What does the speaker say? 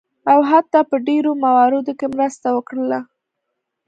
او حتی په ډیرو مواردو کې مرسته وکړله.